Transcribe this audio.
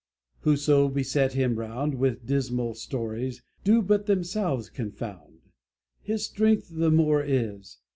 "Whoso beset him round With dismal stories, Do but themselves confound His strength the more is.